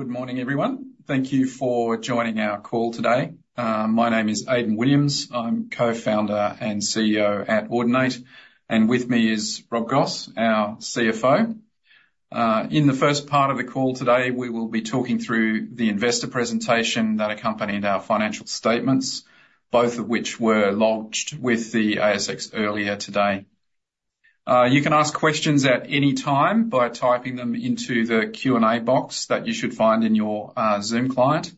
Good morning, everyone. Thank you for joining our call today. My name is Aidan Williams. I'm Co-founder and CEO at Audinate, and with me is Rob Goss, our CFO. In the first part of the call today, we will be talking through the investor presentation that accompanied our financial statements, both of which were lodged with the ASX earlier today. You can ask questions at any time by typing them into the Q&A box that you should find in your Zoom client.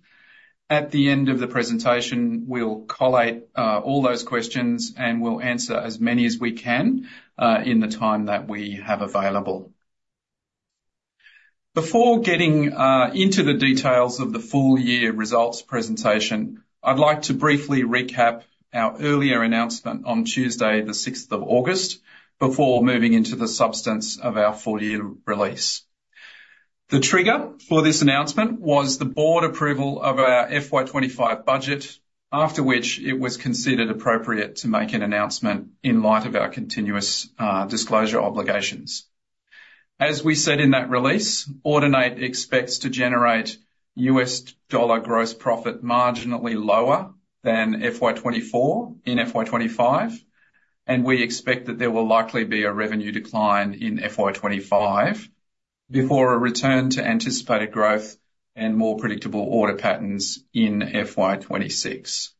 At the end of the presentation, we'll collate all those questions, and we'll answer as many as we can in the time that we have available. Before getting into the details of the full year results presentation, I'd like to briefly recap our earlier announcement on Tuesday the sixth of August before moving into the substance of our full year release. The trigger for this announcement was the board approval of our FY 2025 budget, after which it was considered appropriate to make an announcement in light of our continuous disclosure obligations. As we said in that release, Audinate expects to generate USD gross profit marginally lower than FY 2024 in FY 2025, and we expect that there will likely be a revenue decline in FY 2025 before a return to anticipated growth and more predictable order patterns in FY 2026.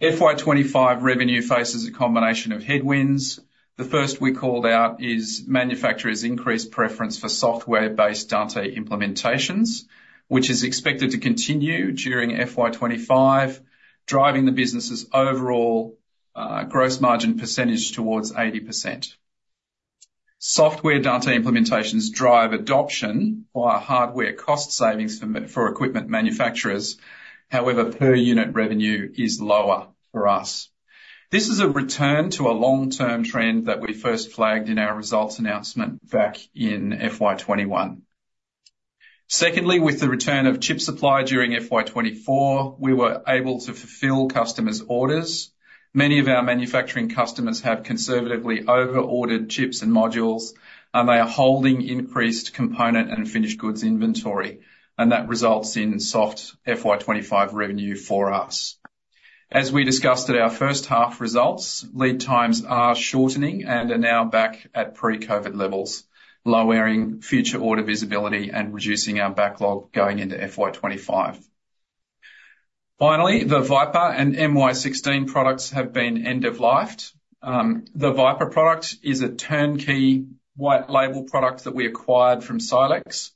FY 2025 revenue faces a combination of headwinds. The first we called out is manufacturers' increased preference for software-based Dante implementations, which is expected to continue during FY 2025, driving the business's overall gross margin percentage towards 80%. Software Dante implementations drive adoption via hardware cost savings for equipment manufacturers. However, per unit revenue is lower for us. This is a return to a long-term trend that we first flagged in our results announcement back in FY 2021. Secondly, with the return of chip supply during FY 2024, we were able to fulfill customers' orders. Many of our manufacturing customers have conservatively over-ordered chips and modules, and they are holding increased component and finished goods inventory, and that results in soft FY 2025 revenue for us. As we discussed at our first half results, lead times are shortening and are now back at pre-COVID levels, lowering future order visibility and reducing our backlog going into FY 2025 Finally, the Viper and MY16 products have been end-of-lifed. The Viper product is a turnkey white label product that we acquired from Silex.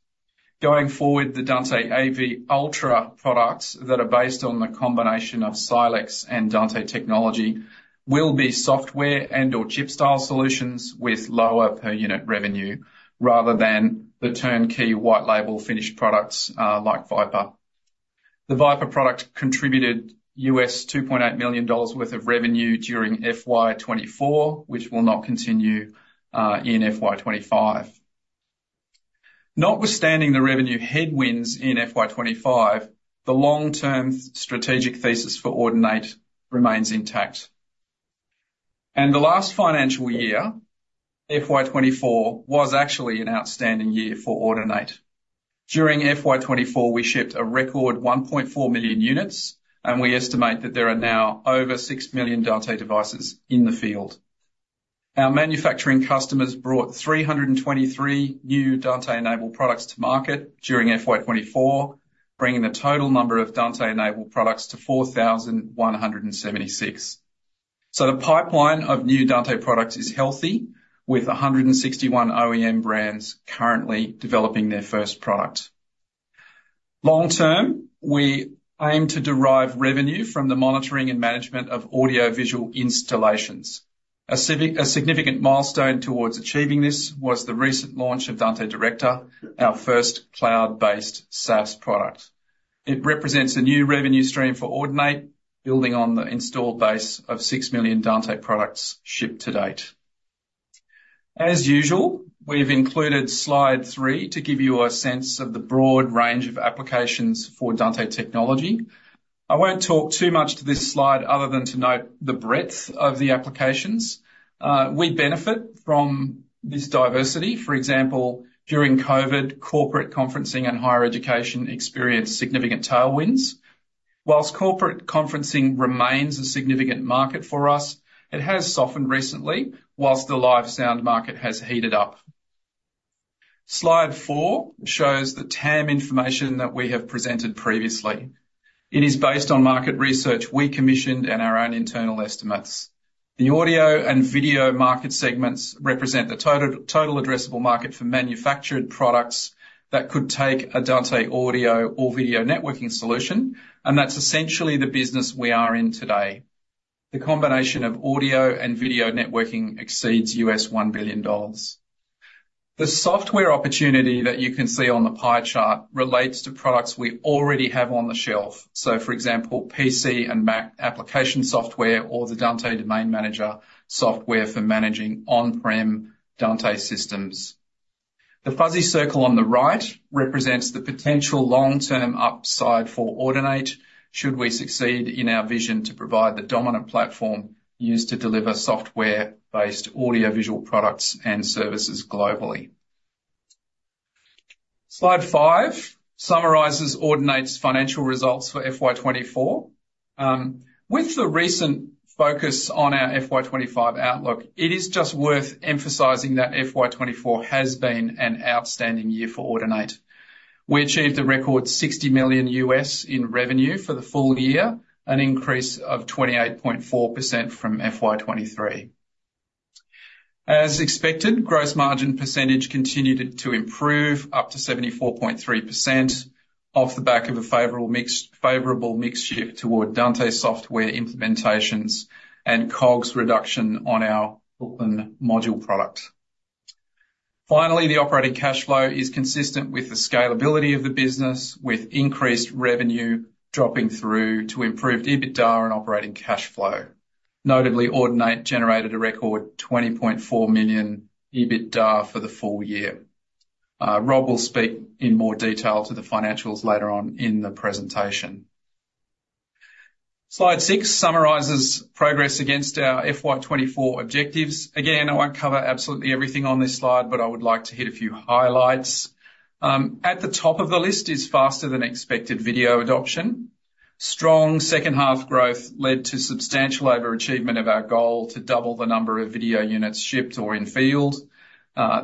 Going forward, the Dante AV Ultra products that are based on the combination of Silex and Dante technology will be software and/or chip style solutions with lower per unit revenue, rather than the turnkey white label finished products, like Viper. The Viper product contributed $2.8 million worth of revenue during FY 2024, which will not continue in FY 2025. Notwithstanding the revenue headwinds in FY 2025, the long-term strategic thesis for Audinate remains intact. The last financial year ,FY 2024, was actually an outstanding year for Audinate. During FY 2024, we shipped a record 1.4 million units, and we estimate that there are now over 6 million Dante devices in the field. Our manufacturing customers brought 323 new Dante-enabled products to market during FY 2024, bringing the total number of Dante-enabled products to 4,176. So the pipeline of new Dante products is healthy, with 161 OEM brands currently developing their first product. Long term, we aim to derive revenue from the monitoring and management of audio/visual installations. A significant milestone towards achieving this was the recent launch of Dante Director, our first cloud-based SaaS product. It represents a new revenue stream for Audinate, building on the installed base of 6 million Dante products shipped to date. As usual, we've included slide 3 to give you a sense of the broad range of applications for Dante technology. I won't talk too much to this slide, other than to note the breadth of the applications. We benefit from this diversity. For example, during COVID, corporate conferencing and higher education experienced significant tailwinds. While corporate conferencing remains a significant market for us, it has softened recently, while the live sound market has heated up. Slide four shows the TAM information that we have presented previously. It is based on market research we commissioned and our own internal estimates. The audio and video market segments represent the total addressable market for manufactured products that could take a Dante audio or video networking solution, and that's essentially the business we are in today. The combination of audio and video networking exceeds $1 billion. The software opportunity that you can see on the pie chart relates to products we already have on the shelf, so for example, PC and Mac application software or the Dante Domain Manager software for managing on-prem Dante systems. The fuzzy circle on the right represents the potential long-term upside for Audinate, should we succeed in our vision to provide the dominant platform used to deliver software-based audio visual products and services globally. Slide five summarizes Audinate's financial results for FY 2024. With the recent focus on our FY 2025 outlook, it is just worth emphasizing that FY 2024 has been an outstanding year for Audinate. We achieved a record $60 million in revenue for the full year, an increase of 28.4% from FY 2023. As expected, gross margin percentage continued to improve, up to 74.3%, off the back of a favorable mix, favorable mix shift toward Dante software implementations and COGS reduction on our Brooklyn module product. Finally, the operating cash flow is consistent with the scalability of the business, with increased revenue dropping through to improved EBITDA and operating cash flow. Notably, Audinate generated a record 20.4 million EBITDA for the full year. Rob will speak in more detail to the financials later on in the presentation. Slide six summarizes progress against our FY 2024 objectives. Again, I won't cover absolutely everything on this slide, but I would like to hit a few highlights. At the top of the list is faster than expected video adoption. Strong second half growth led to substantial overachievement of our goal to double the number of video units shipped or in field.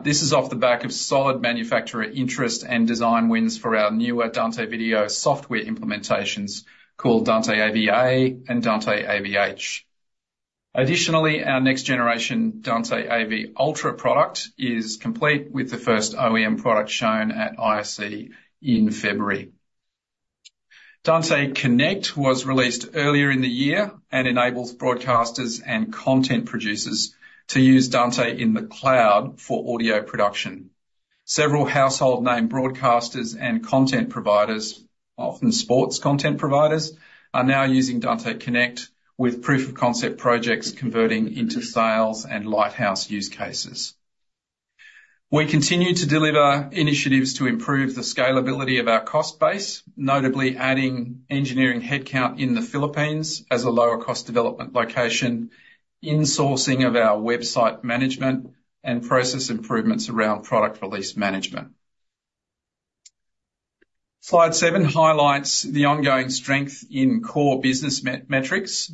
This is off the back of solid manufacturer interest and design wins for our newer Dante video software implementations, called Dante AV-A and Dante AV-H. Additionally, our next generation Dante AV Ultra product is complete, with the first OEM product shown at ISE in February. Dante Connect was released earlier in the year and enables broadcasters and content producers to use Dante in the cloud for audio production. Several household name broadcasters and content providers, often sports content providers, are now using Dante Connect, with proof of concept projects converting into sales and lighthouse use cases. We continue to deliver initiatives to improve the scalability of our cost base, notably adding engineering headcount in the Philippines as a lower cost development location, in-sourcing of our website management, and process improvements around product release management. Slide seven highlights the ongoing strength in core business metrics.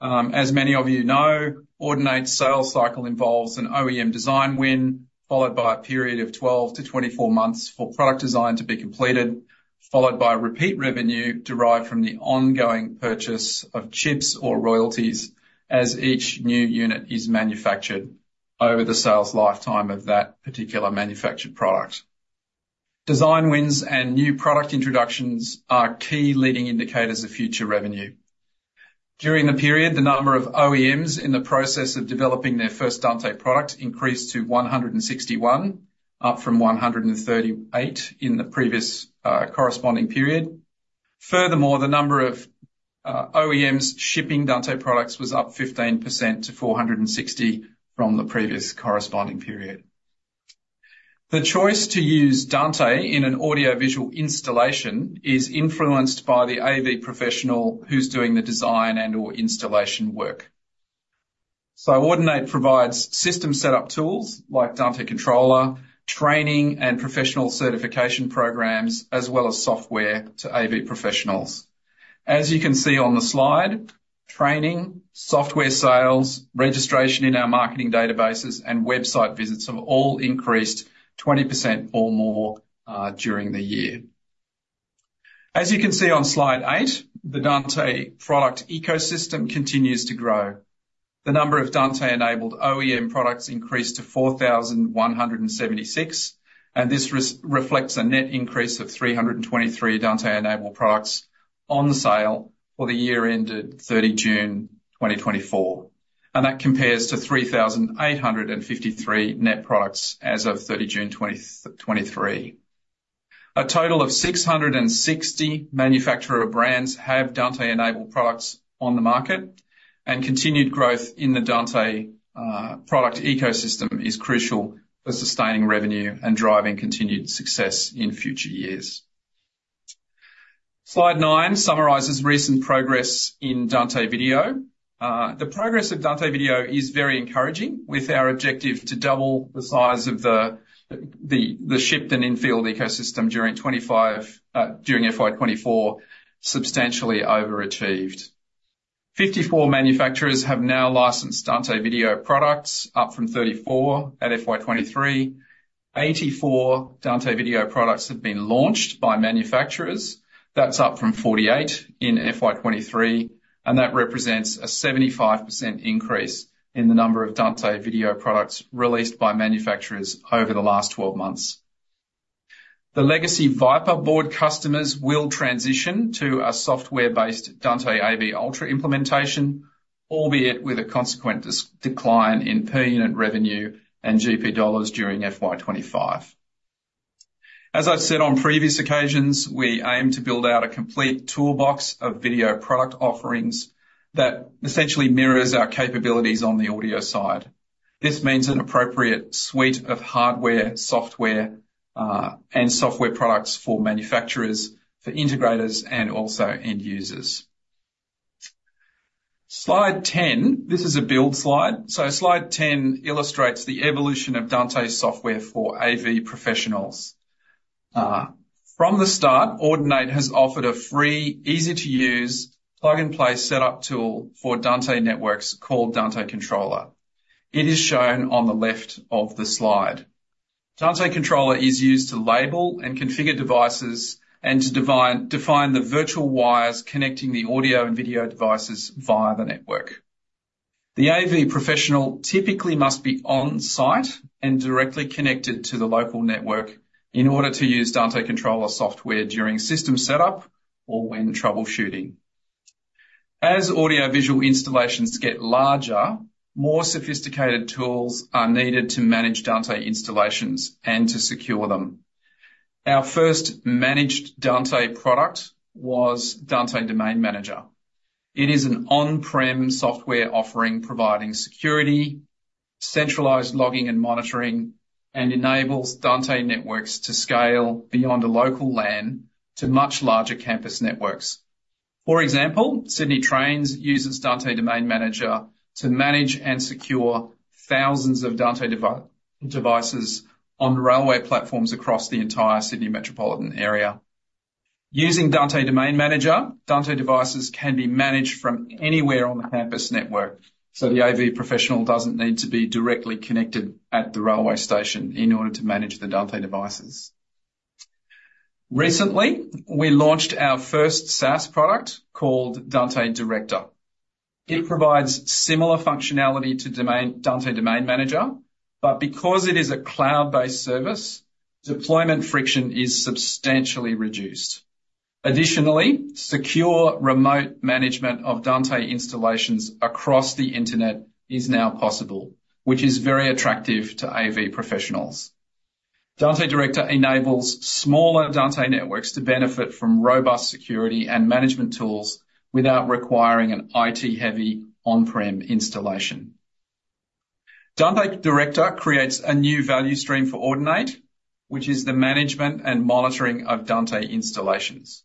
As many of you know, Audinate's sales cycle involves an OEM design win, followed by a period of 12-24 months for product design to be completed, followed by repeat revenue derived from the ongoing purchase of chips or royalties as each new unit is manufactured over the sales lifetime of that particular manufactured product. Design wins and new product introductions are key leading indicators of future revenue. During the period, the number of OEMs in the process of developing their first Dante product increased to 161, up from 138 in the previous corresponding period. Furthermore, the number of OEMs shipping Dante products was up 15% to 460 from the previous corresponding period. The choice to use Dante in an audio-visual installation is influenced by the AV professional who's doing the design and/or installation work. Audinate provides system setup tools like Dante Controller, training and professional certification programs, as well as software to AV professionals. As you can see on the slide, training, software sales, registration in our marketing databases, and website visits have all increased 20% or more during the year. As you can see on Slide 8, the Dante product ecosystem continues to grow. The number of Dante-enabled OEM products increased to 4,176, and this reflects a net increase of 323 Dante-enabled products on sale for the year ended 30 June 2024. That compares to 3,853 net products as of 30 June 2023. A total of 660 manufacturer brands have Dante-enabled products on the market, and continued growth in the Dante product ecosystem is crucial for sustaining revenue and driving continued success in future years. Slide nine summarizes recent progress in Dante video. The progress of Dante video is very encouraging, with our objective to double the size of the shipped and in-field ecosystem during 2025, during FY 2024, substantially overachieved. 54 manufacturers have now licensed Dante video products, up from 34 at FY 2023. 84 Dante video products have been launched by manufacturers. That's up from 48 in FY 2023, and that represents a 75% increase in the number of Dante video products released by manufacturers over the last 12 months. The legacy Viper board customers will transition to a software-based Dante AV Ultra implementation, albeit with a consequent decline in per unit revenue and GP dollars during FY 2025. As I've said on previous occasions, we aim to build out a complete toolbox of video product offerings that essentially mirrors our capabilities on the audio side. This means an appropriate suite of hardware, software, and software products for manufacturers, for integrators, and also end users. Slide 10, this is a build slide, so Slide 10 illustrates the evolution of Dante software for AV professionals. From the start, Audinate has offered a free, easy-to-use, plug-and-play setup tool for Dante networks called Dante Controller. It is shown on the left of the slide. Dante Controller is used to label and configure devices and to define the virtual wires connecting the audio and video devices via the network. The AV professional typically must be on-site and directly connected to the local network in order to use Dante Controller software during system setup or when troubleshooting. As audio visual installations get larger, more sophisticated tools are needed to manage Dante installations and to secure them. Our first managed Dante product was Dante Domain Manager. It is an on-prem software offering, providing security, centralized logging and monitoring, and enables Dante networks to scale beyond a local LAN to much larger campus networks. For example, Sydney Trains uses Dante Domain Manager to manage and secure thousands of Dante devices on railway platforms across the entire Sydney metropolitan area. Using Dante Domain Manager, Dante devices can be managed from anywhere on the campus network, so the AV professional doesn't need to be directly connected at the railway station in order to manage the Dante devices. Recently, we launched our first SaaS product called Dante Director. It provides similar functionality to Dante Domain Manager, but because it is a cloud-based service, deployment friction is substantially reduced. Additionally, secure remote management of Dante installations across the internet is now possible, which is very attractive to AV professionals. Dante Director enables smaller Dante networks to benefit from robust security and management tools without requiring an IT-heavy on-prem installation. Dante Director creates a new value stream for Audinate, which is the management and monitoring of Dante installations.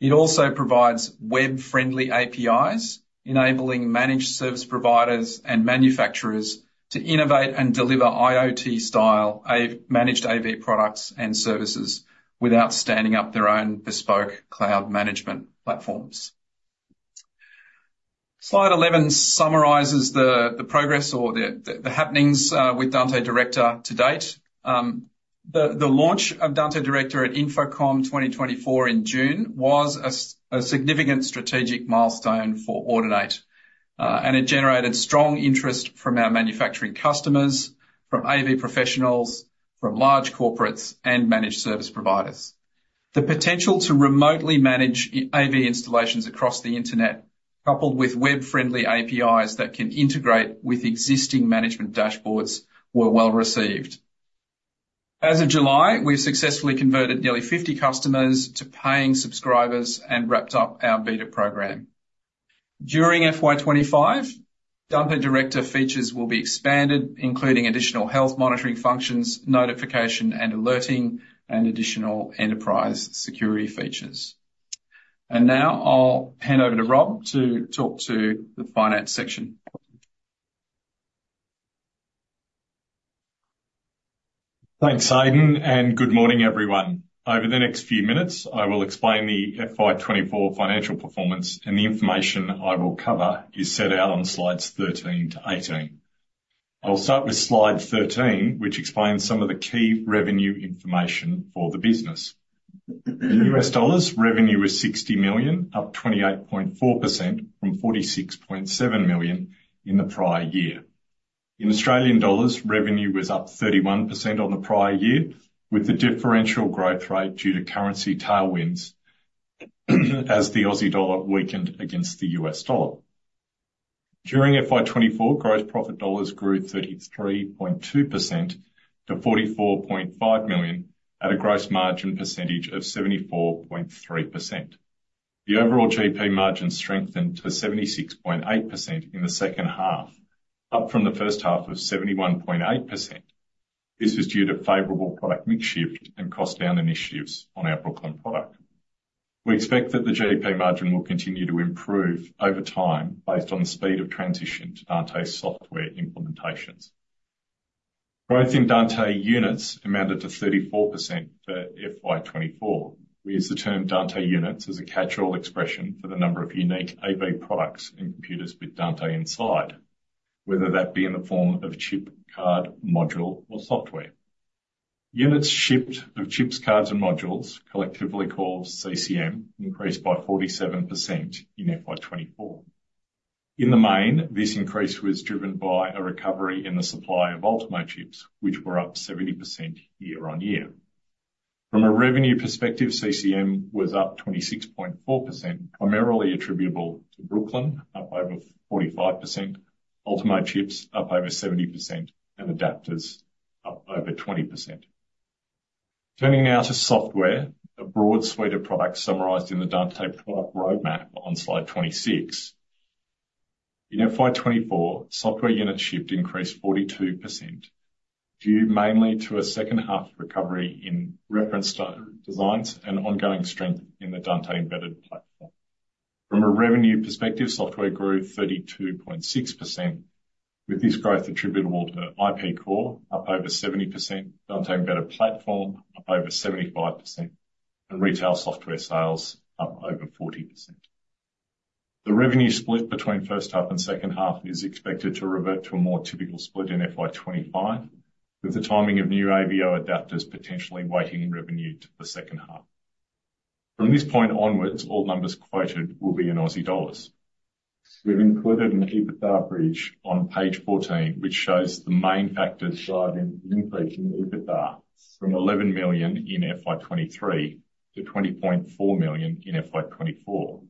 It also provides web-friendly APIs, enabling managed service providers and manufacturers to innovate and deliver IoT-style managed AV products and services, without standing up their own bespoke cloud management platforms. Slide 11 summarizes the progress or the happenings with Dante Director to date. The launch of Dante Director at InfoComm 2024 in June was a significant strategic milestone for Audinate, and it generated strong interest from our manufacturing customers, from AV professionals, from large corporates, and managed service providers. The potential to remotely manage AV installations across the internet, coupled with web-friendly APIs that can integrate with existing management dashboards, were well received. As of July, we've successfully converted nearly 50 customers to paying subscribers and wrapped up our beta program. During FY 2025, Dante Director features will be expanded, including additional health monitoring functions, notification and alerting, and additional enterprise security features. And now I'll hand over to Rob to talk to the finance section. Thanks, Aidan, and good morning, everyone. Over the next few minutes, I will explain the FY 2024 financial performance, and the information I will cover is set out on slides 13 to 18. I'll start with Slide 13, which explains some of the key revenue information for the business. In US dollars, revenue was $60 million, up 28.4% from $46.7 million in the prior year. In Australian dollars, revenue was up 31% on the prior year, with the differential growth rate due to currency tailwinds, as the Aussie dollar weakened against the US dollar. During FY 2024, gross profit dollars grew 33.2% to $44.5 million, at a gross margin percentage of 74.3%. The overall GP margin strengthened to 76.8% in the second half, up from the first half of 71.8%. This is due to favorable product mix shift and cost down initiatives on our Brooklyn product. We expect that the GP margin will continue to improve over time, based on the speed of transition to Dante's software implementations. Growth in Dante units amounted to 34% for FY 2024. We use the term Dante units as a catch-all expression for the number of unique AV products in computers with Dante inside, whether that be in the form of a chip, card, module, or software. Units shipped of chips, cards, and modules, collectively called CCM, increased by 47% in FY 2024. In the main, this increase was driven by a recovery in the supply of Ultimo chips, which were up 70% year on year. From a revenue perspective, CCM was up 26.4%, primarily attributable to Brooklyn, up over 45%, Ultimo chips up over 70%, and adapters up over 20%. Turning now to software, a broad suite of products summarized in the Dante product roadmap on Slide 26. In FY 2024, software units shipped increased 42% due mainly to a second half recovery in reference designs and ongoing strength in the Dante Embedded Platform. From a revenue perspective, software grew 32.6%, with this growth attributable to IP Core, up over 70%, Dante Embedded Platform up over 75%, and retail software sales up over 40%. The revenue split between first half and second half is expected to revert to a more typical split in FY 2025, with the timing of new AVIO adapters potentially weighting in revenue to the second half. From this point onwards, all numbers quoted will be in Aussie dollars. We've included an EBITDA bridge on page 14, which shows the main factors driving the increase in EBITDA from 11 million in FY 2023 to 20.4 million in FY 2024.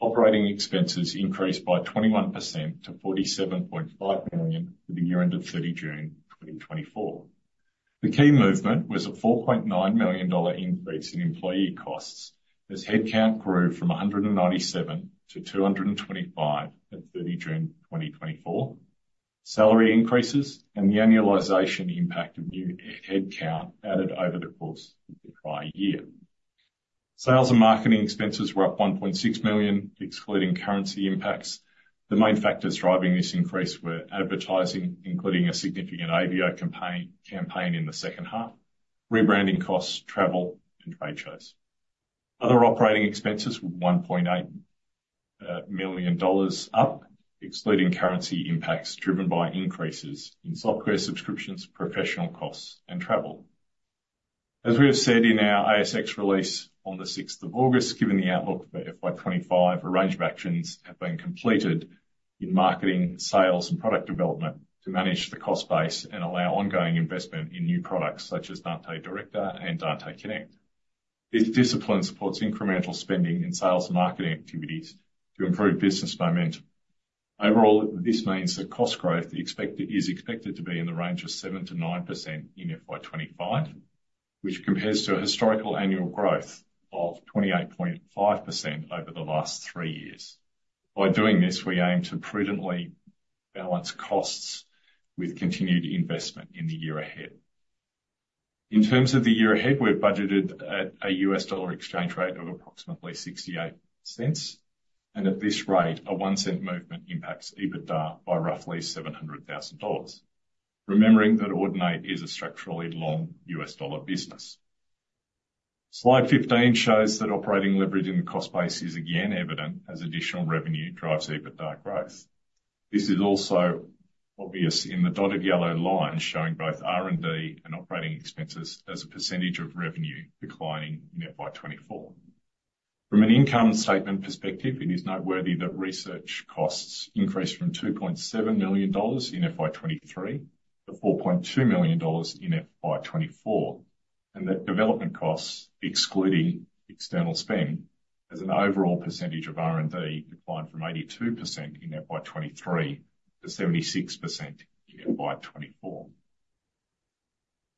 Operating expenses increased by 21% to 47.5 million for the year end of 30 June 2024. The key movement was a 4.9 million dollar increase in employee costs, as headcount grew from 197 to 225 at 30 June 2024. Salary increases and the annualization impact of new headcount added over the course of the prior year. Sales and marketing expenses were up 1.6 million, excluding currency impacts. The main factors driving this increase were advertising, including a significant AVIO campaign in the second half, rebranding costs, travel, and trade shows. Other operating expenses were $1.8 million up, excluding currency impacts driven by increases in software subscriptions, professional costs, and travel. As we have said in our ASX release on the sixth of August, given the outlook for FY 2025, a range of actions have been completed in marketing, sales, and product development to manage the cost base and allow ongoing investment in new products such as Dante Director and Dante Connect. This discipline supports incremental spending in sales and marketing activities to improve business momentum. Overall, this means that cost growth is expected to be in the range of 7%-9% in FY 2025, which compares to a historical annual growth of 28.5% over the last three years. By doing this, we aim to prudently balance costs with continued investment in the year ahead. In terms of the year ahead, we've budgeted at a US dollar exchange rate of approximately 68 cents, and at this rate, a one cent movement impacts EBITDA by roughly $700,000, remembering that Audinate is a structurally long US dollar business. Slide 15 shows that operating leverage in the cost base is again evident as additional revenue drives EBITDA growth. This is also obvious in the dotted yellow line, showing both R&D and operating expenses as a percentage of revenue declining in FY 2024. From an income statement perspective, it is noteworthy that research costs increased from $2.7 million in FY 2023 to $4.2 million in FY 2024, and that development costs, excluding external spend, as an overall percentage of R&D, declined from 82% in FY 2023 to 76% in FY 2024.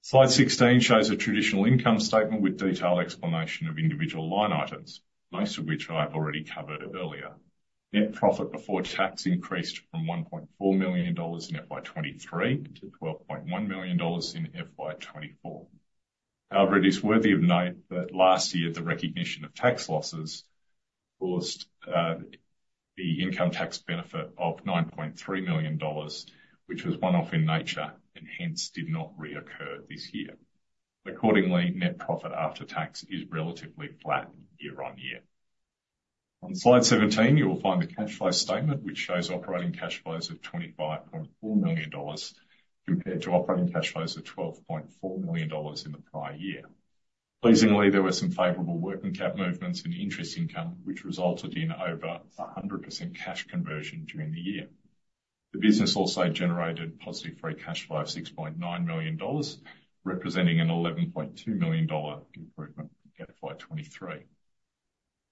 Slide sixteen shows a traditional income statement with detailed explanation of individual line items, most of which I've already covered earlier. Net profit before tax increased from 1.4 million dollars in FY 2023 to 12.1 million dollars in FY 2024. However, it is worthy of note that last year, the recognition of tax losses caused the income tax benefit of 9.3 million dollars, which was one-off in nature and hence did not reoccur this year. Accordingly, net profit after tax is relatively flat year on year. On Slide seventeen, you will find the cash flow statement, which shows operating cash flows of 25.4 million dollars, compared to operating cash flows of 12.4 million dollars in the prior year. Pleasingly, there were some favorable working cap movements in interest income, which resulted in over 100% cash conversion during the year. The business also generated positive free cash flow of 6.9 million dollars, representing an 11.2 million dollar improvement against FY 2023.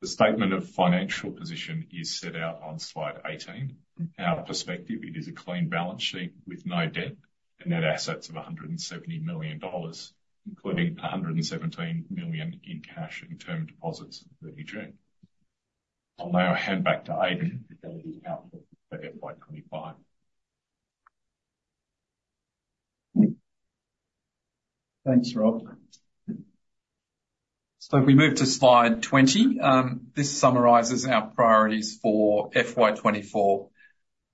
The statement of financial position is set out on Slide 18. From our perspective, it is a clean balance sheet with no debt and net assets of 170 million dollars, including 117 million in cash and term deposits at 30 June. I'll now hand back to Aidan, to go over the outlook for FY 2025. Thanks, Rob. So if we move to slide 20, this summarizes our priorities for FY 2024.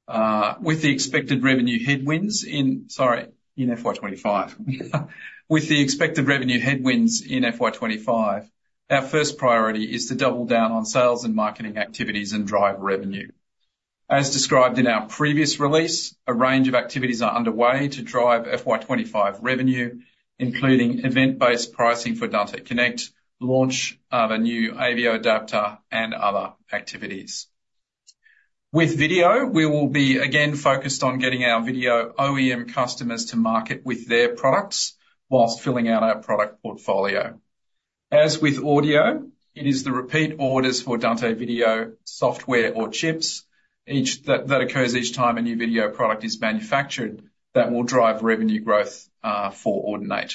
With the expected revenue headwinds in. Sorry, in FY 2025. With the expected revenue headwinds in FY 2025, our first priority is to double down on sales and marketing activities and drive revenue. As described in our previous release, a range of activities are underway to drive FY 2025 revenue, including event-based pricing for Dante Connect, launch of a new AVIO adapter, and other activities. With video, we will be again focused on getting our video OEM customers to market with their products while filling out our product portfolio. As with audio, it is the repeat orders for Dante video software or chips that occur each time a new video product is manufactured that will drive revenue growth for Audinate.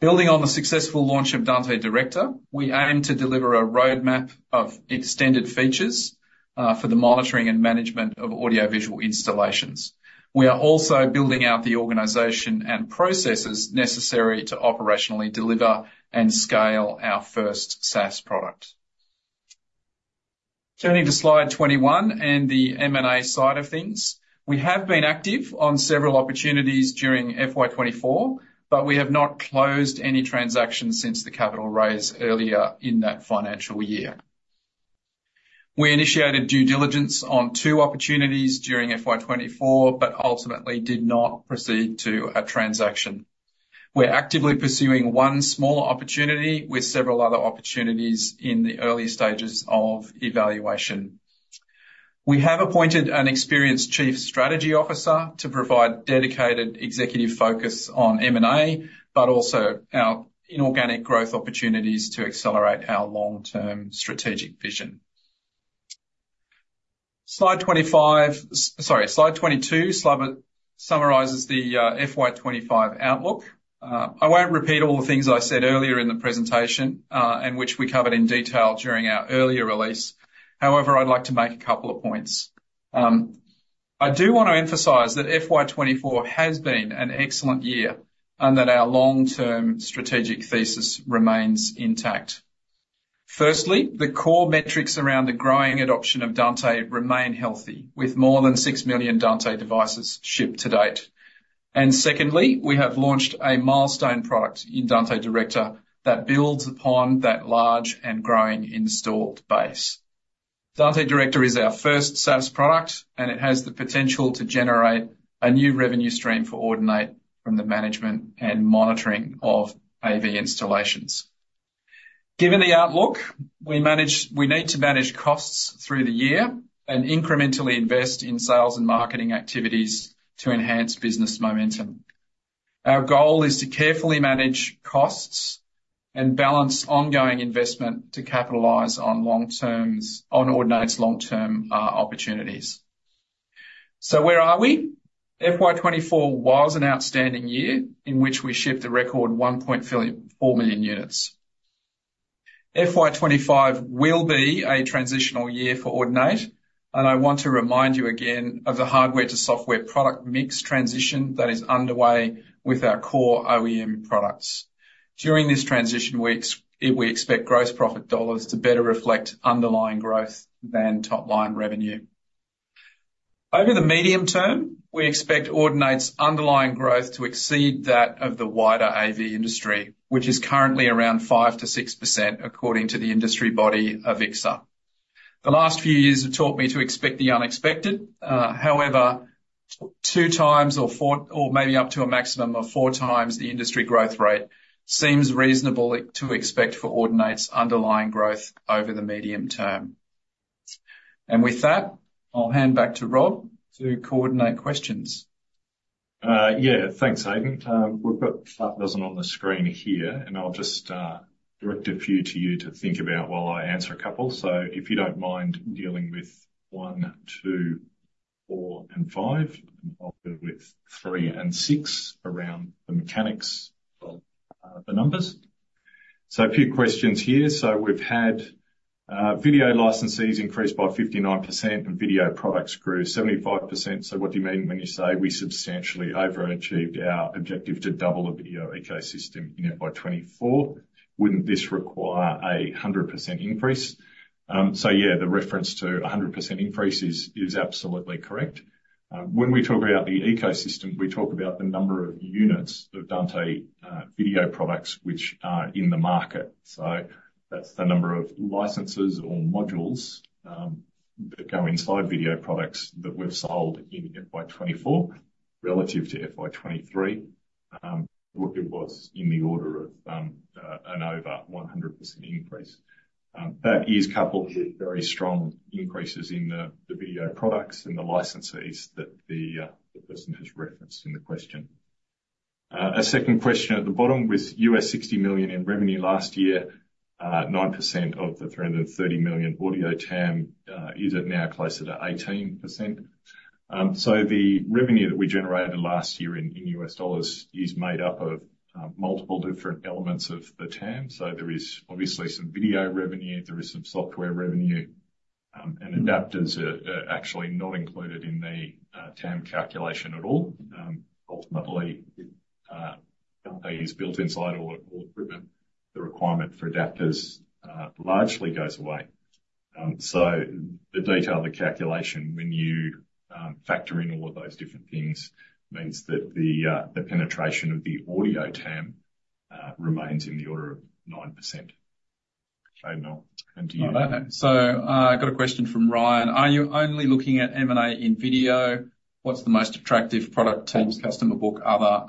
Building on the successful launch of Dante Director, we aim to deliver a roadmap of extended features for the monitoring and management of audiovisual installations. We are also building out the organization and processes necessary to operationally deliver and scale our first SaaS product. Turning to slide 21 and the M&A side of things, we have been active on several opportunities during FY 2024, but we have not closed any transactions since the capital raise earlier in that financial year. We initiated due diligence on two opportunities during FY 2024, but ultimately did not proceed to a transaction. We're actively pursuing one small opportunity with several other opportunities in the early stages of evaluation. We have appointed an experienced chief strategy officer to provide dedicated executive focus on M&A, but also our inorganic growth opportunities to accelerate our long-term strategic vision. Slide 25, sorry, slide 22, summarizes the FY 2025 outlook. I won't repeat all the things I said earlier in the presentation, and which we covered in detail during our earlier release. However, I'd like to make a couple of points. I do want to emphasize that FY 2024 has been an excellent year, and that our long-term strategic thesis remains intact. Firstly, the core metrics around the growing adoption of Dante remain healthy, with more than six million Dante devices shipped to date. And secondly, we have launched a milestone product in Dante Director that builds upon that large and growing installed base. Dante Director is our first SaaS product, and it has the potential to generate a new revenue stream for Audinate from the management and monitoring of AV installations. Given the outlook, we need to manage costs through the year and incrementally invest in sales and marketing activities to enhance business momentum. Our goal is to carefully manage costs and balance ongoing investment to capitalize on Audinate's long-term opportunities. So where are we? FY 2024 was an outstanding year in which we shipped a record 1.4 million units. FY 2025 will be a transitional year for Audinate, and I want to remind you again of the hardware to software product mix transition that is underway with our core OEM products. During this transition, we expect gross profit dollars to better reflect underlying growth than top line revenue. Over the medium term, we expect Audinate's underlying growth to exceed that of the wider AV industry, which is currently around 5%-6%, according to the industry body, AVIXA. The last few years have taught me to expect the unexpected. However, two times or four- or maybe up to a maximum of four times the industry growth rate seems reasonable to expect for Audinate's underlying growth over the medium term. With that, I'll hand back to Rob to coordinate questions. Yeah, thanks, Aidan. We've got a dozen on the screen here, and I'll just direct a few to you to think about while I answer a couple. So if you don't mind dealing with one, two, four, and five, I'll deal with three and six around the mechanics of the numbers. So a few questions here. So we've had video licensees increase by 59% and video products grew 75%. So what do you mean when you say we substantially overachieved our objective to double the video ecosystem, you know, by twenty-four? Wouldn't this require a 100% increase? So yeah, the reference to a 100% increase is absolutely correct. When we talk about the ecosystem, we talk about the number of units of Dante video products which are in the market. That's the number of licenses or modules that go inside video products that we've sold in FY 2024 relative to FY 2023. It was in the order of an over 100% increase. That is coupled with very strong increases in the video products and the licensees that the person has referenced in the question. A second question at the bottom: With $60 million in revenue last year, 9% of the 330 million audio TAM, is it now closer to 18%? The revenue that we generated last year in U.S. dollars is made up of multiple different elements of the TAM. So there is obviously some video revenue, there is some software revenue, and adapters are actually not included in the TAM calculation at all. Ultimately, Dante is built inside all equipment. The requirement for adapters largely goes away. So the detail of the calculation, when you factor in all of those different things, means that the penetration of the audio TAM remains in the order of 9%. Aidan, now onto you. So, I got a question from Ryan: Are you only looking at M&A in video? What's the most attractive product teams, customer book, other?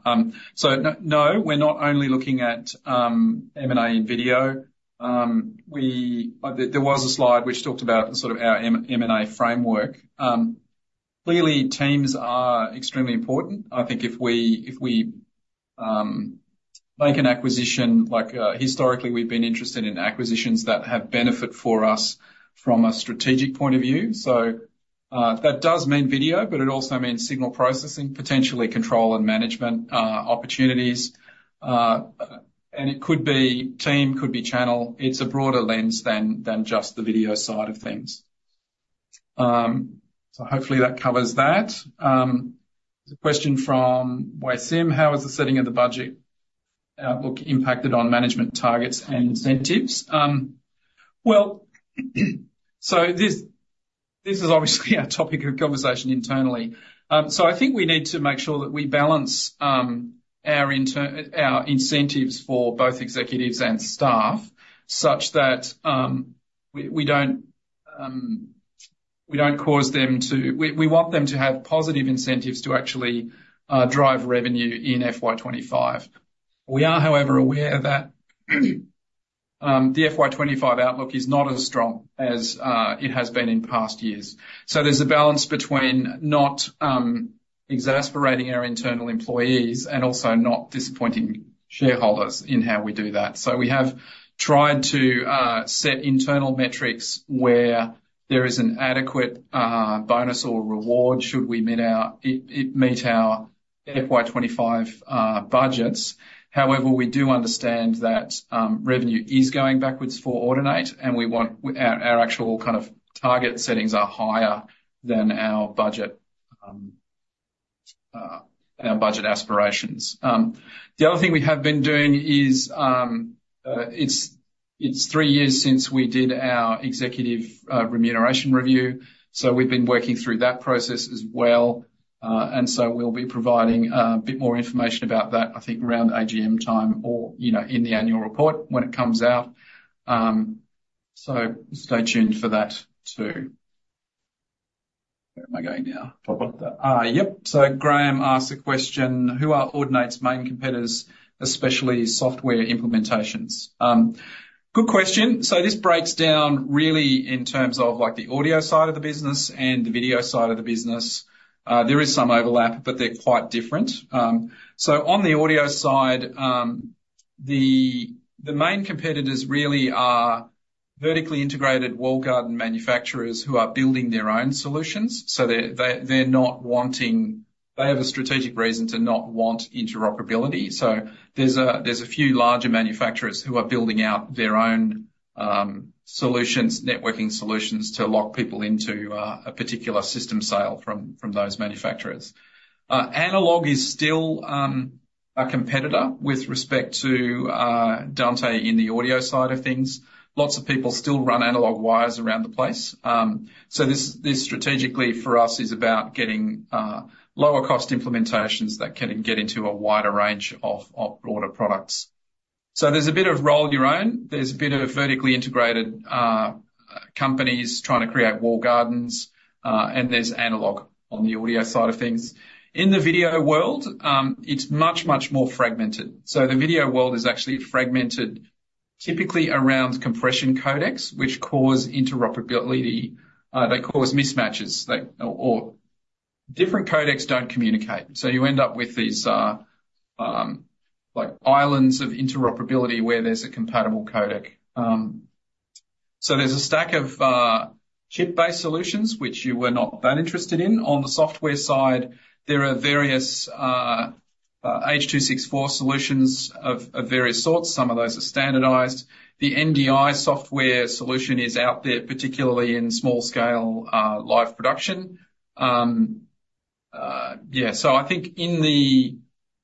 So no, we're not only looking at M&A in video. There was a slide which talked about sort of our M&A framework. Clearly, teams are extremely important. I think if we make an acquisition, like historically, we've been interested in acquisitions that have benefit for us from a strategic point of view. So that does mean video, but it also means signal processing, potentially control and management opportunities. And it could be team, could be channel. It's a broader lens than just the video side of things. So hopefully that covers that. There's a question from Wassim: "How has the setting of the budget outlook impacted on management targets and incentives?" Well, so this is obviously a topic of conversation internally. So I think we need to make sure that we balance our incentives for both executives and staff, such that we don't cause them to. We want them to have positive incentives to actually drive revenue in FY 2025. We are, however, aware that the FY 2025 outlook is not as strong as it has been in past years. There's a balance between not exasperating our internal employees and also not disappointing shareholders in how we do that. So we have tried to set internal metrics where there is an adequate bonus or reward should we meet our FY 2025 budgets. However, we do understand that revenue is going backwards for Audinate, and we want our actual kind of target settings are higher than our budget aspirations. The other thing we have been doing is it's three years since we did our executive remuneration review, so we've been working through that process as well. So we'll be providing a bit more information about that, I think, around AGM time or, you know, in the annual report when it comes out. So stay tuned for that too. Where am I going now? Yep. Graham asked a question: "Who are Audinate's main competitors, especially software implementations?" Good question. This breaks down really in terms of, like, the audio side of the business and the video side of the business. There is some overlap, but they're quite different. On the audio side, the main competitors really are vertically integrated walled garden manufacturers who are building their own solutions. They have a strategic reason to not want interoperability. There's a few larger manufacturers who are building out their own solutions, networking solutions, to lock people into a particular system sale from those manufacturers. analog is still a competitor with respect to Dante in the audio side of things. Lots of people still run analog wires around the place. So this strategically for us is about getting lower cost implementations that can get into a wider range of broader products. So there's a bit of roll your own, there's a bit of vertically integrated companies trying to create walled gardens, and there's analog on the audio side of things. In the video world, it's much, much more fragmented. So the video world is actually fragmented, typically around compression codecs, which cause interoperability. They cause mismatches, like, or different codecs don't communicate, so you end up with these, like islands of interoperability where there's a compatible codec. So there's a stack of chip-based solutions which you were not that interested in. On the software side, there are various H.264 solutions of various sorts. Some of those are standardized. The NDI software solution is out there, particularly in small scale, live production. Yeah, so I think in the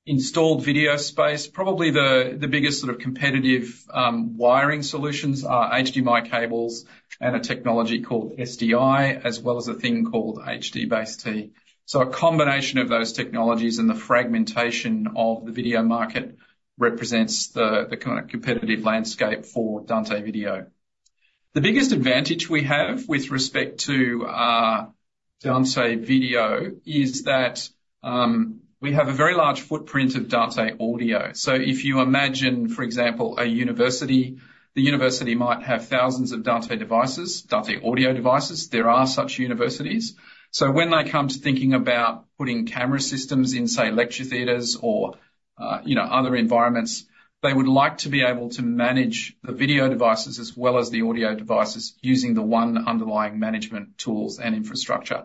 installed video space, probably the biggest sort of competitive wiring solutions are HDMI cables and a technology called SDI, as well as a thing called HDBaseT. So a combination of those technologies and the fragmentation of the video market represents the kind of competitive landscape for Dante video. The biggest advantage we have with respect to Dante video is that we have a very large footprint of Dante Audio. So if you imagine, for example, a university, the university might have thousands of Dante devices, Dante audio devices. There are such universities. So when they come to thinking about putting camera systems in, say, lecture theaters or, you know, other environments, they would like to be able to manage the video devices as well as the audio devices using the one underlying management tools and infrastructure.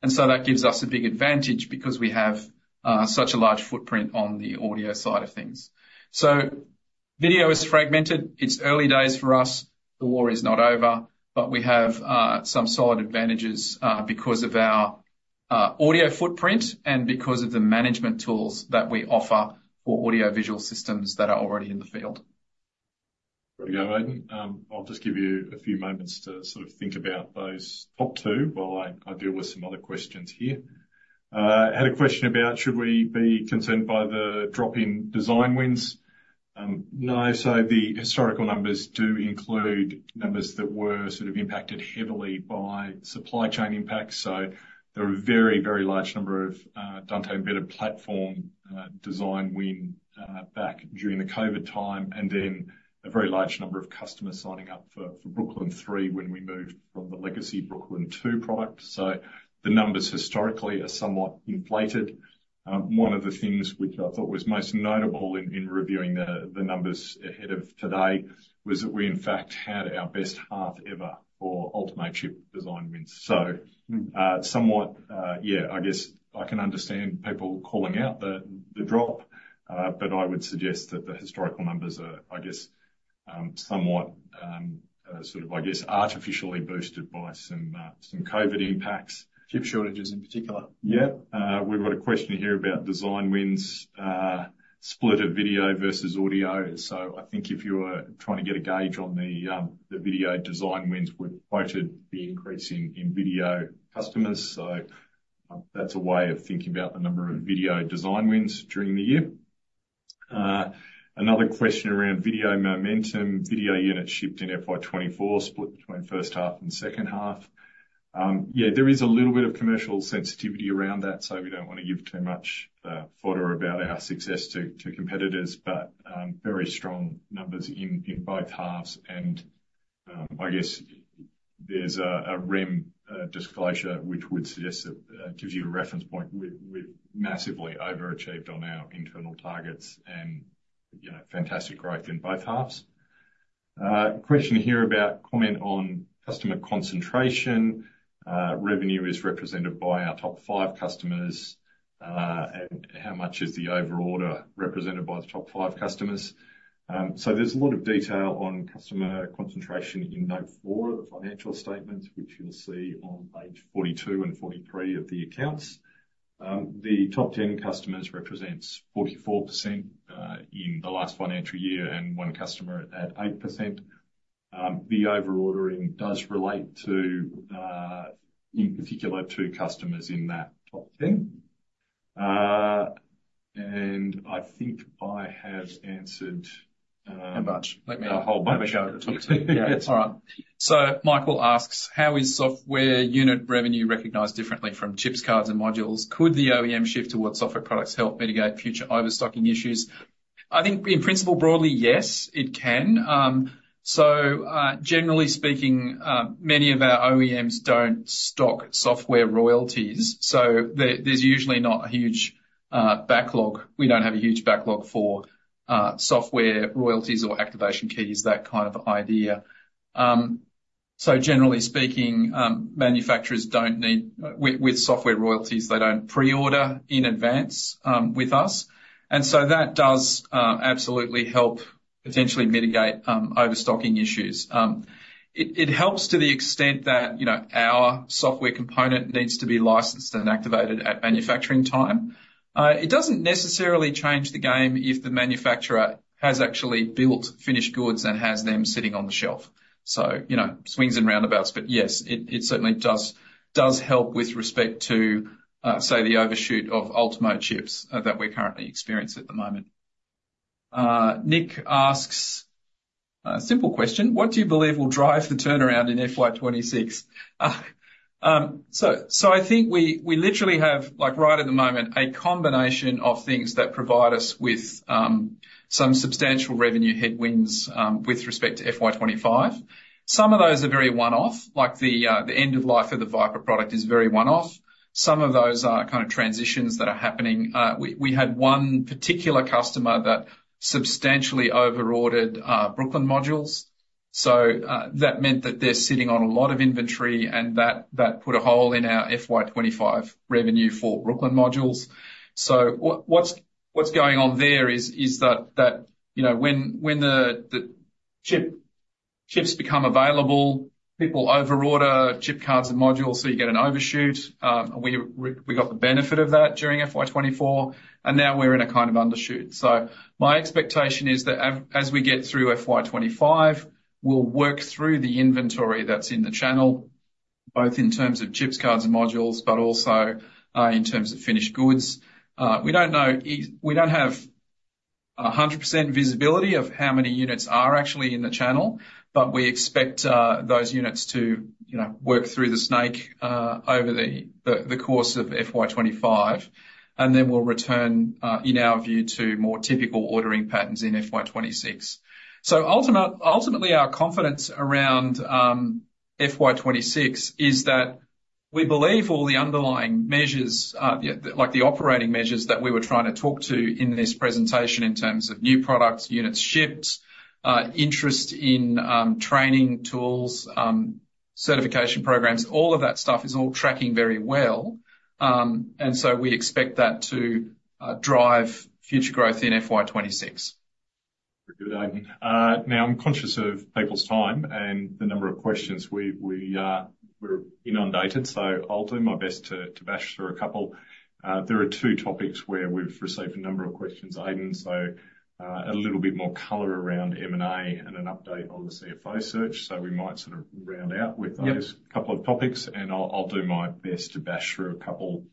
And so that gives us a big advantage because we have such a large footprint on the audio side of things. So video is fragmented. It's early days for us. The war is not over, but we have some solid advantages because of our audio footprint and because of the management tools that we offer for audiovisual systems that are already in the field. Pretty good, Aidan. I'll just give you a few moments to sort of think about those top two while I deal with some other questions here. Had a question about: "Should we be concerned by the drop in design wins?" No. So the historical numbers do include numbers that were sort of impacted heavily by supply chain impacts. So there were a very, very large number of Dante Embedded Platform design wins back during the Covid time, and then a very large number of customers signing up for Brooklyn 3 when we moved from the legacy Brooklyn II product. So the numbers historically are somewhat inflated. One of the things which I thought was most notable in reviewing the numbers ahead of today was that we in fact had our best half ever for Ultimo chip design wins. So, somewhat, yeah, I guess I can understand people calling out the drop, but I would suggest that the historical numbers are, I guess, somewhat, sort of, I guess, artificially boosted by some COVID impacts. Chip shortages in particular. Yeah. We've got a question here about design wins, split of video versus audio. So I think if you were trying to get a gauge on the video design wins, we've quoted the increase in video customers. So that's a way of thinking about the number of video design wins during the year. Another question around video momentum. Video units shipped in FY 2024, split between first half and second half. Yeah, there is a little bit of commercial sensitivity around that, so we don't want to give too much fodder about our success to competitors, but very strong numbers in both halves. I guess there's an interim disclosure, which would suggest that gives you a reference point. We've massively overachieved on our internal targets and, you know, fantastic growth in both halves. A question here about comment on customer concentration. Revenue is represented by our top five customers, and how much is the over order represented by the top five customers? So there's a lot of detail on customer concentration in note four of the financial statements, which you'll see on page 42 and 43 of the accounts. The top 10 customers represents 44% in the last financial year, and one customer at 8%. The over ordering does relate to, in particular, two customers in that top 10. And I think I have answered. How much? Let me A whole bunch. Yeah. All right. So Michael asks: How is software unit revenue recognized differently from chips, cards, and modules? Could the OEM shift towards software products help mitigate future overstocking issues? I think in principle, broadly, yes, it can. So, generally speaking, many of our OEMs don't stock software royalties, so there's usually not a huge backlog. We don't have a huge backlog for, software royalties or activation keys, that kind of idea. So generally speaking, manufacturers don't need. With software royalties, they don't pre-order in advance, with us, and so that does, absolutely help potentially mitigate, overstocking issues. It helps to the extent that, you know, our software component needs to be licensed and activated at manufacturing time. It doesn't necessarily change the game if the manufacturer has actually built finished goods and has them sitting on the shelf. So, you know, swings and roundabouts. But yes, it certainly does help with respect to, say, the overshoot of Ultimo chips that we're currently experiencing at the moment. Nick asks a simple question: What do you believe will drive the turnaround in FY 2026? So, I think we literally have, like, right at the moment, a combination of things that provide us with some substantial revenue headwinds with respect to FY 2025. Some of those are very one-off, like the end of life of the Viper product is very one-off. Some of those are kind of transitions that are happening. We had one particular customer that substantially overordered Brooklyn modules. That meant that they're sitting on a lot of inventory, and that put a hole in our FY 2025 revenue for Brooklyn modules. So what's going on there is that, you know, when the chips become available, people overorder chip cards and modules, so you get an overshoot. We got the benefit of that during FY 2024, and now we're in a kind of undershoot. So my expectation is that as we get through FY 2025, we'll work through the inventory that's in the channel, both in terms of chips, cards, and modules, but also in terms of finished goods. We don't know. We don't have 100% visibility of how many units are actually in the channel, but we expect those units to, you know, work through the channel over the course of FY 2025, and then we'll return, in our view, to more typical ordering patterns in FY 2026. Ultimately, our confidence around FY 2026 is that we believe all the underlying measures, yeah, like the operating measures that we were trying to talk to in this presentation in terms of new products, units shipped, interest in training, tools, certification programs, all of that stuff is all tracking very well, and so we expect that to drive future growth in FY 2026. Good, Aidan. Now, I'm conscious of people's time and the number of questions. We're inundated, so I'll do my best to bash through a couple. There are two topics where we've received a number of questions, Aidan, so a little bit more color around M&A and an update on the CFO search. So we might sort of round out with those Yep couple of topics, and I'll do my best to bash through a couple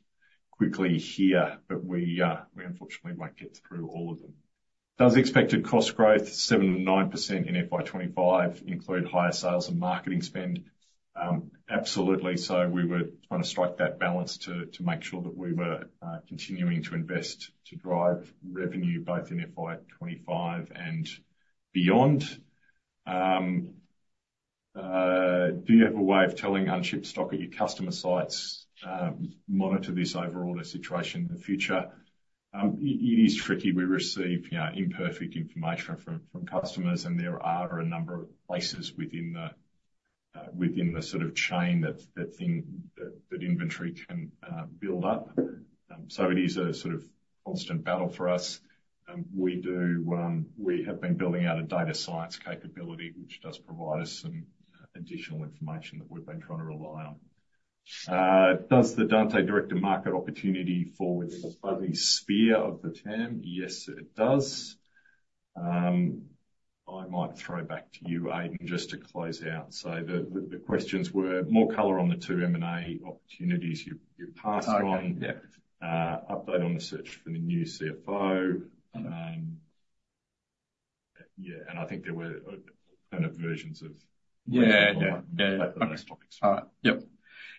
quickly here, but we unfortunately won't get through all of them. Does expected cost growth 7%-9% in FY 2025 include higher sales and marketing spend? Absolutely. So we were trying to strike that balance to make sure that we were continuing to invest to drive revenue both in FY 2025 and beyond. Do you have a way of telling unshipped stock at your customer sites, monitor this overall, the situation in the future? It is tricky. We receive, you know, imperfect information from customers, and there are a number of places within the sort of chain that inventory can build up. So it is a sort of constant battle for us, and we do, we have been building out a data science capability, which does provide us some additional information that we've been trying to rely on. Does the Dante Director market opportunity fall within the fuzzy sphere of the term? Yes, it does. I might throw back to you, Aidan, just to close out. So the questions were more color on the two M&A opportunities you passed on. Okay. Yeah. Update on the search for the new CFO. Yeah, and I think there were, kind of versions of Yeah, yeah, yeah. The next topics. All right. Yep.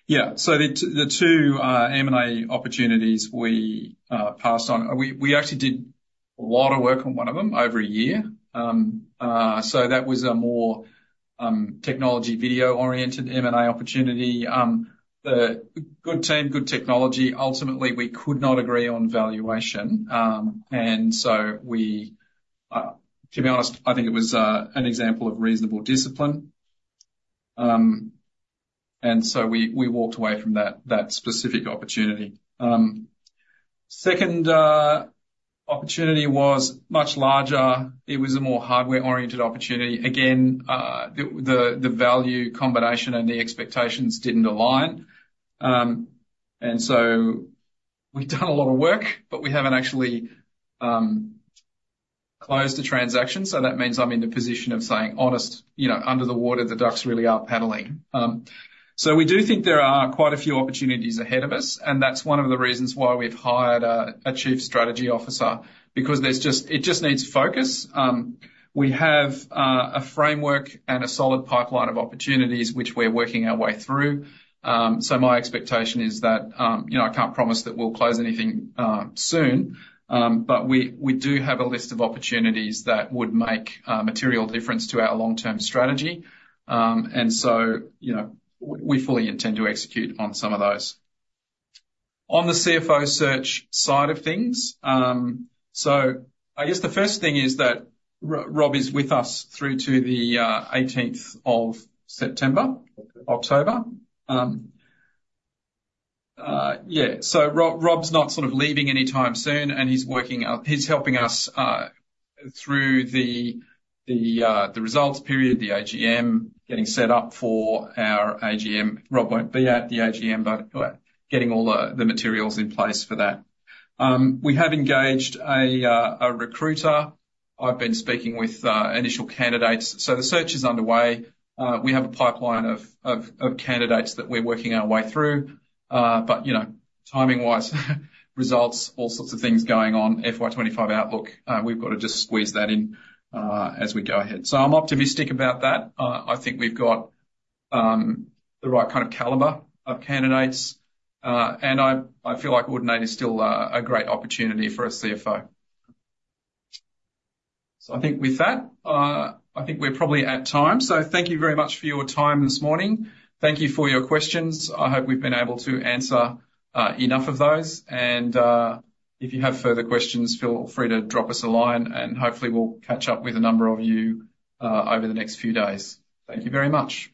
Yeah, so the two M&A opportunities we passed on, we actually did a lot of work on one of them over a year. So that was a more technology, video-oriented M&A opportunity. The good team, good technology, ultimately, we could not agree on valuation. To be honest, I think it was an example of reasonable discipline. So we walked away from that specific opportunity. Second opportunity was much larger. It was a more hardware-oriented opportunity. Again, the value combination and the expectations didn't align. So we've done a lot of work, but we haven't actually closed the transaction, so that means I'm in the position of saying, honest, you know, under the water, the ducks really are paddling. We do think there are quite a few opportunities ahead of us, and that's one of the reasons why we've hired a Chief Strategy Officer, because it just needs focus. We have a framework and a solid pipeline of opportunities which we're working our way through. My expectation is that, you know, I can't promise that we'll close anything soon, but we do have a list of opportunities that would make material difference to our long-term strategy, and so, you know, we fully intend to execute on some of those. On the CFO search side of things, so I guess the first thing is that Rob is with us through to the eighteenth of September, October. Yeah, so Rob's not sort of leaving anytime soon, and he's helping us through the results period, the AGM, getting set up for our AGM. Rob won't be at the AGM, but getting all the materials in place for that. We have engaged a recruiter. I've been speaking with initial candidates, so the search is underway. We have a pipeline of candidates that we're working our way through, but you know, timing-wise, results, all sorts of things going on, FY 2025 outlook, we've got to just squeeze that in as we go ahead. So I'm optimistic about that. I think we've got the right kind of caliber of candidates, and I feel like Audinate is still a great opportunity for a CFO. So I think with that, I think we're probably at time. So thank you very much for your time this morning. Thank you for your questions. I hope we've been able to answer enough of those, and if you have further questions, feel free to drop us a line, and hopefully we'll catch up with a number of you over the next few days. Thank you very much.